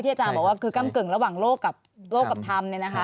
ที่อาจารย์บอกว่าคือกำกึ่งระหว่างโลกกับธรรม